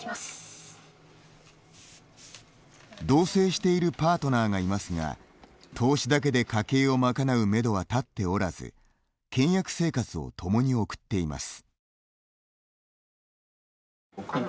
同棲しているパートナーがいますが投資だけで家計を賄うめどは立っておらず倹約生活を共に送っています。